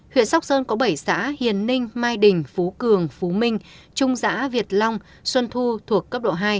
huyện sóc sơn có bảy xã hiền ninh mai đình phú cường phú minh trung xã việt long xuân thu thuộc cấp độ hai